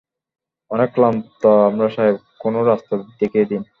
অনেক ক্লান্ত আমরা সাহেব, কোনো রাস্তা দেখিয়ে দিন।